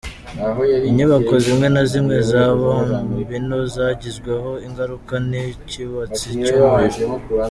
Inyubako zimwe na zimwe za Bambino zagizweho ingaruka n'ikibatsi cy'umuriro.